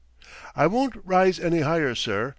"It won't rise any higher, sir.